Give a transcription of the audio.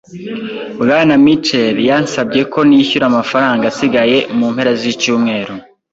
Bwana Mitchel yansabye ko nishyura amafaranga asigaye mu mpera z'icyumweru.